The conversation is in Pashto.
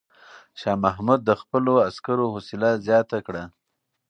شاه محمود د خپلو عسکرو حوصله زیاته کړه.